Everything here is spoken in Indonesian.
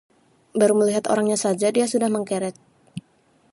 baru melihat orangnya saja dia sudah mengkeret